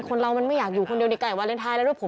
คนเรามันไม่อยากอยู่คนเดียวในไก่วาเลนไทยแล้วด้วยผม